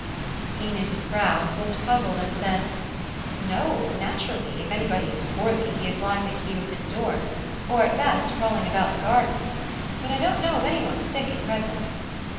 He knit his brows, looked puzzled, and said: "No, naturally; if anybody is poorly, he is likely to be within doors, or at best crawling about the garden: but I don't know of any one sick at present.